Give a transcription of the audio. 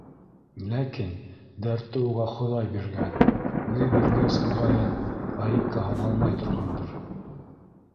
Ләкин дәртте уға Хоҙай биргән, үҙе биргәс, моғайын, ғәйепкә һаналмай торғандыр.